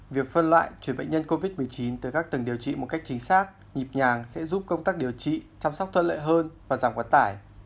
việc phân loại chuyển bệnh nhân covid một mươi chín tới các tầng điều trị một cách chính xác nhịp nhàng sẽ giúp công tác điều trị chăm sóc thuận lợi hơn và giảm quá tải